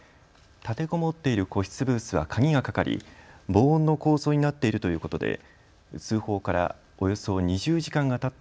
立てこもっている個室ブースは鍵がかかり防音の構造になっているということで通報からおよそ２０時間がたった